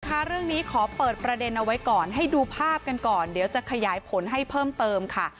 เรื่องนี้ขอเปิดประเด็นเอาไว้ก่อนให้ดูภาพกันก่อนเดี๋ยวจะขยายผลให้เพิ่มเติมค่ะ